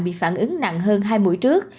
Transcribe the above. bị phản ứng nặng hơn hai mũi trước